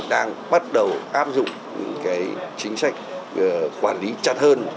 đang bắt đầu áp dụng những chính sách quản lý chặt hơn